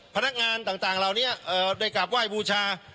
พนักงานต่างเหล่านี้ได้กราบไหว้บูชา